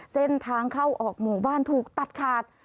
เส้นทางเข้าออกหมู่บ้านถูกตัดขาด